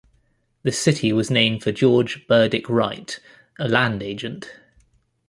The city was named for George Burdick Wright, a land agent.